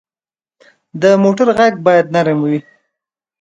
د موټر غږ باید نرم وي.